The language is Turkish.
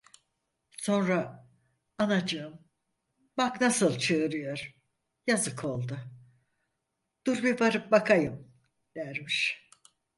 Sonra: "Anacığım! Bak nasıl çığırıyor! Yazık oldu… Dur bir varıp bakayım!' dermiş.